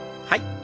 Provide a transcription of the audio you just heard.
はい。